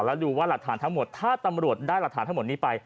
แล้วดูว่าหลักฐานทั้งหมดถ้าตำรวจได้หลักฐานทั้งหมดนี้ไป